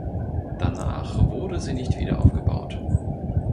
Danach wurde sie nicht wieder aufgebaut.